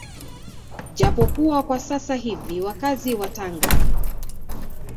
Japo kuwa kwa sasa hivi wakazi wa Tanga